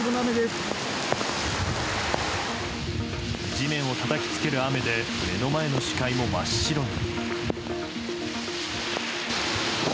地面をたたきつける雨で目の前の視界も真っ白に。